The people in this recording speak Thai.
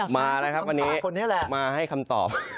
มาแล้วครับวันนี้แหละมาให้คำตอบ